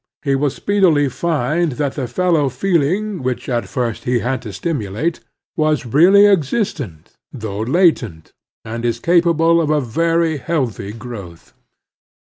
He will speedily find that the fellow feeling which at first he had to stimulate was really existent, though latent, and is capable of a very healthy growth.